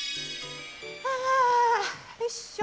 あよいしょ。